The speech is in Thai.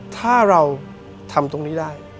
ถ้าเราทำตรงนี้ได้